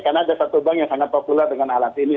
karena ada satu bank yang sangat populer dengan alat ini